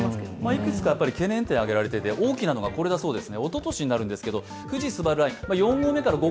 いくつか懸念点を上げられていて、大きいのはこれだそうです。